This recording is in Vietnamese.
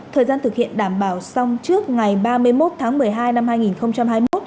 thời gian thực hiện đảm bảo xong trước ngày ba mươi một tháng một mươi hai năm hai nghìn hai mươi một